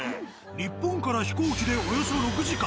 日本から飛行機でおよそ６時間。